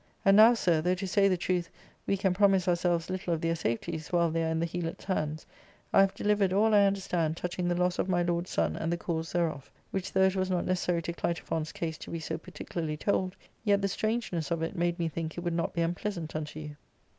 And now, sir, though, to say the truth, we can promise ourselves little of their safeties while they are in the Helots' hands, I have delivered all I understand touching the loss of my lord's son and the cause thereof ; which, though it was not necessary to Clitophon's case to be so particularly told, yet the strangeness of it made me think it would not be unplea sant unto you."